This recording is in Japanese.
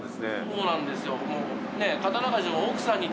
そうなんですよ。